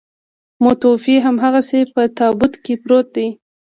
متوفي هماغسې په تابوت کې پروت دی.